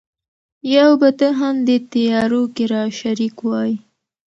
یو به ته هم دې تیارو کي را شریک وای